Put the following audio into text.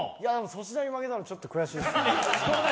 粗品に負けたのはちょっと悔しいですね。